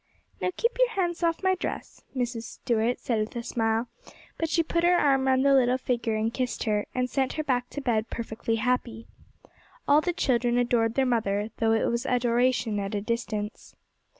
'Now keep your hands off my dress,' Mrs. Stuart said with a smile; but she put her arm round the little figure and kissed her, and sent her back to bed perfectly happy. All the children adored their mother, though it was adoration at a distance.